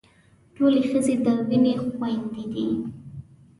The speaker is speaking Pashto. ټولې ښځې د وينې خويندې دي.